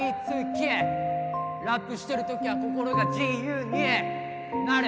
ラップしてる時は心が自由になる